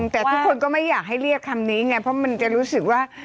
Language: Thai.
แต่ทุกคนก็ไม่อยากให้เรียกคำนี้ไงเพราะมันจะรู้สึกว่า